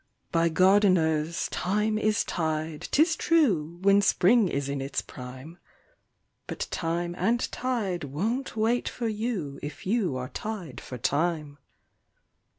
By gardeners thyme is tied, 'tis true, when spring is in its prime; But time and tide won't wait for you if you are tied for time.